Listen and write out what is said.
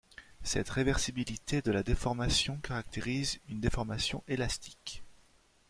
Cette réversibilité de la déformation caractérise une déformation élastique.